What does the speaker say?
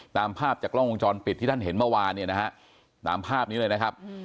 ตามภาพจากกล้องวงจรปิดที่ท่านเห็นเมื่อวานเนี่ยนะฮะตามภาพนี้เลยนะครับ